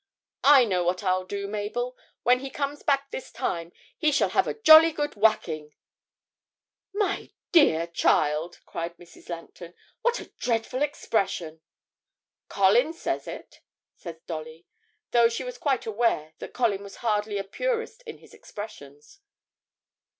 I know what I'll do, Mabel. When he comes back this time, he shall have a jolly good whacking!' 'My dear child,' cried Mrs. Langton, 'what a dreadful expression!' 'Colin says it,' said Dolly, though she was quite aware that Colin was hardly a purist in his expressions.